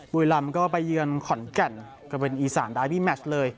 บุยรัมยุเวอร์ก็ไปเยือนขอนแก่นก็เป็นอีสานได้มีแมชเลย